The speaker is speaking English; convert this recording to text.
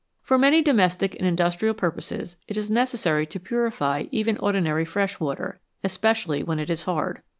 For many domestic and industrial purposes it is necessary to purify even ordinary fresh water, especially when it is hard.